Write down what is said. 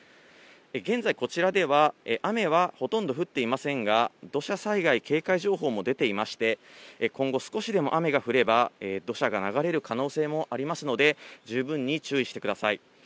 現在、こちらでは雨はほとんど降っていませんが、土砂災害警戒情報も出ていまして、今後、少しでも雨が降れば、土砂が流れる可能性もありますので、十分に注意してください。